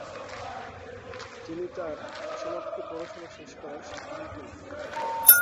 তিনি তার অসমাপ্ত পড়াশোনা শেষ করার সিদ্ধান্ত নেন।